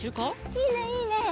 いいねいいね。